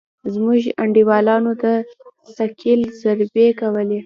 زموږ انډيوالانو د ثقيل ضربې کولې.